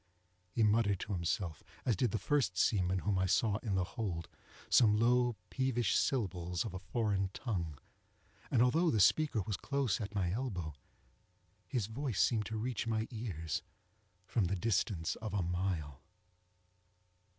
He muttered to himself, as did the first seaman whom I saw in the hold, some low peevish syllables of a foreign tongue, and although the speaker was close at my elbow, his voice seemed to reach my ears from the distance of a mile.